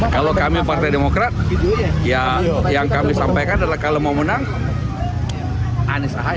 kalau kami partai demokrat ya yang kami sampaikan adalah kalau mau menang anies ahy